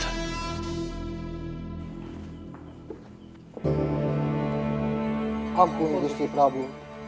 ampun gusti prabu